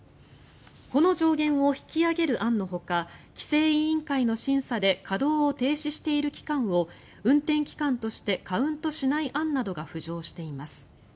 この上限を引き上げる案のほか規制委員会の審査で稼働を停止している期間を運転期間としてカウントしない案などが浮上しています。